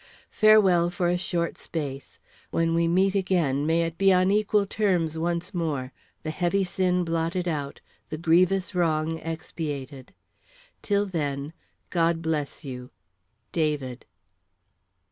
Farewell for a short space. When we meet again may it be on equal terms once more, the heavy sin blotted out, the grievous wrong expiated. Till then, God bless you. DAVID.